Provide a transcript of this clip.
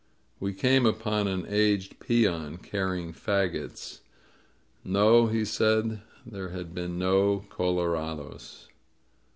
We came upon an aged peon carrying fagots. No," he said, "there had been no colorados.